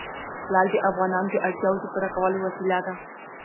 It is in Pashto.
لعل د افغانانو د اړتیاوو د پوره کولو وسیله ده.